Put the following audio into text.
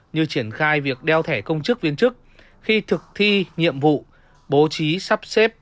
như triển khai việc đeo thẻ công chức viên chức khi thực thi nhiệm vụ bố trí sắp xếp